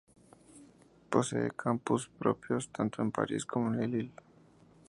Posee campus propios tanto en París como en Lille.